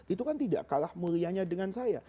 itu kan tidak kalah mulianya dengan saya